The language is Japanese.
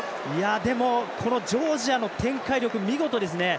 でもジョージアの展開力見事ですね。